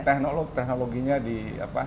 teknologi teknologinya di apa